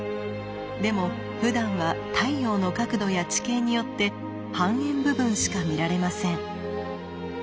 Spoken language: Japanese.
でもふだんは太陽の角度や地形によって半円部分しか見られません。